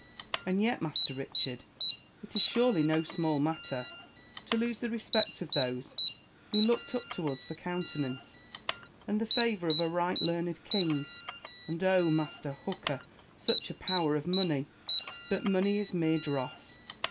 And yet, Mastei' Richard, it is surely no small matter to lose the respect of those who looked up to us for countenance ; and the favour of a right learned king ; and, Master Hooker, such a power of money ! But money is mere dross.